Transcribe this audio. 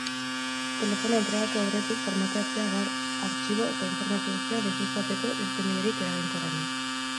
Telefonoa entregatu aurretik formateatzea da artxibo eta informazio guztiak deusteztatzeko irtenbiderik eraginkorrena.